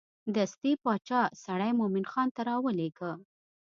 دستې باچا سړی مومن خان ته راولېږه.